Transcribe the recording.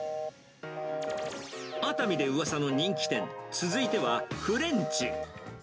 熱海でうわさの人気店、続いては、フレンチ。